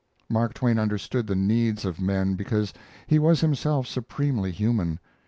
Mark Twain understood the needs of men because he was himself supremely human.